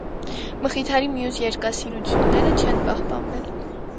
Մխիթարի մյուս երկասիրությունները չեն պահպանվել։